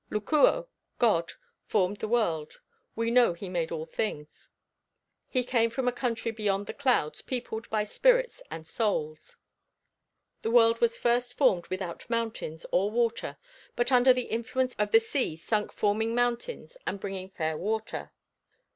Lucuo (God) formed the world, we know he made all things; he came from a country beyond the clouds peopled by spirits and souls. The world was first formed without mountains or water, but under the influence of the sea sunk forming mountains and bringing fair water.